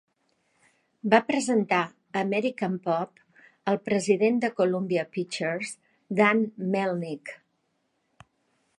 Va presentar "American Pop" al president de Columbia Pictures, Dan Melnick.